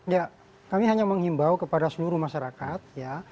ya kami hanya menghimbau kepada seluruh masyarakat ya